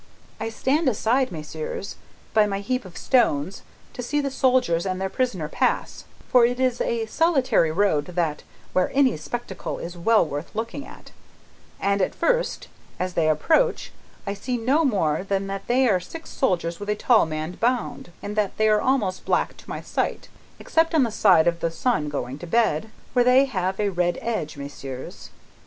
"I stand aside, messieurs, by my heap of stones, to see the soldiers and their prisoner pass (for it is a solitary road, that, where any spectacle is well worth looking at), and at first, as they approach, I see no more than that they are six soldiers with a tall man bound, and that they are almost black to my sight except on the side of the sun going to bed, where they have a red edge, messieurs.